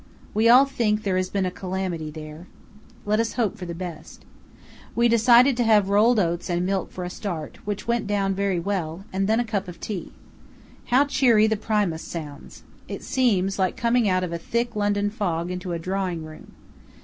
We all think there has been a calamity there. Let us hope for the best. We decided to have rolled oats and milk for a start, which went down very well, and then a cup of tea. How cheery the Primus sounds. It seems like coming out of a thick London fog into a drawing room.